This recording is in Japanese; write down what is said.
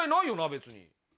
別に。